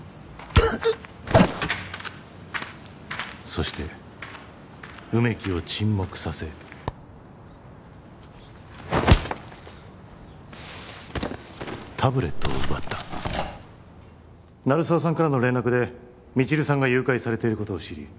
そして梅木を沈黙させタブレットを奪った鳴沢さんからの連絡で未知留さんが誘拐されていることを知り